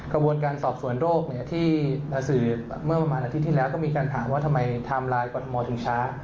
กระบวนการสอบสวนโรคที่สื่อเมื่อประมาณอาทิตย์ที่แล้วก็มีการถามว่าทำไมไทม์ไลน์กรทมถึงช้า